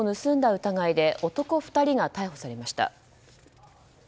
疑いで男２人が逮捕されました。